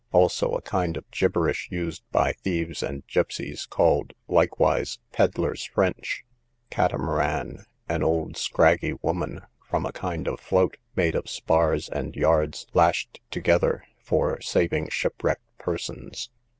Also, a kind of gibberish used by thieves and gipseys, called, likewise, pedlar's French. Catamaran, an old scraggy woman; from a kind of float, made of spars and yards lashed together, for saving shipwrecked persons.